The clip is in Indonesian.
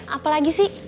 apa lagi sih